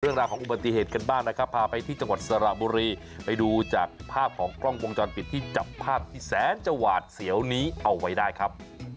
เรื่องราวของอุบัติเหตุกันบ้างนะครับพาไปที่จังหวัดสระบุรีไปดูจากภาพของกล้องวงจรปิดที่จับภาพที่แสนจะหวาดเสียวนี้เอาไว้ได้ครับ